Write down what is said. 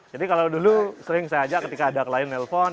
jadi kalau dulu sering saya ajak ketika ada klien yang telpon